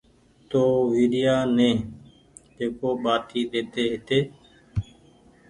تو ويريآ ني جيڪو ٻآٽي ڏي تي هيتي